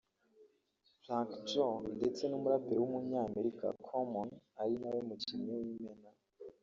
Frank Joe ndetse n’umuraperi w’umunyamerika Common ari nawe mukinnyi w’imena